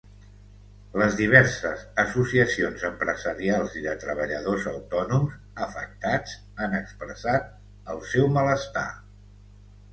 Les diverses associacions empresarials i de treballadors autònoms afectats han expressat el seu malestar.